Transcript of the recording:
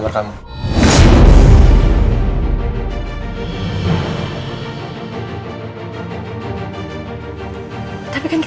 mas ini udah selesai